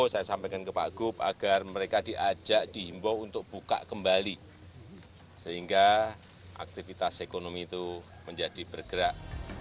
saya sampaikan ke pak gup agar mereka diajak dihimbau untuk buka kembali sehingga aktivitas ekonomi itu menjadi bergerak